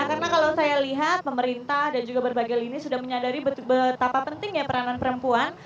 karena kalau saya lihat pemerintah dan juga berbagai lini sudah menyadari betapa pentingnya peranan perempuan